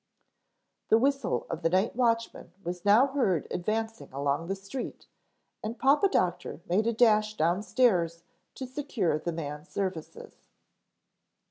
The whistle of the night watchman was now heard advancing along the street and Papa Doctor made a dash downstairs to secure the man's services.